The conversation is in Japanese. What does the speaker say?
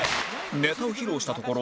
ネタを披露したところ